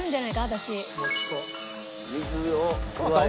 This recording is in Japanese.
私。